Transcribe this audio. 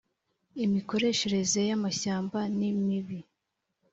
imikoreshereze y amashyamba ni mibi